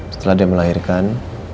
setelah dia melahirkan